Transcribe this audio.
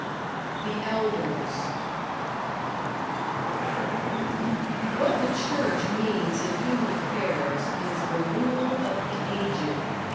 #The Elders# What the Church means in human affairs is the rule of the aged.